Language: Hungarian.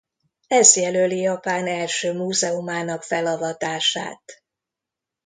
Ez jelöli Japán első múzeumának felavatását.